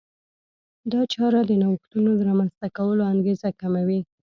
دا چاره د نوښتونو د رامنځته کولو انګېزه کموي.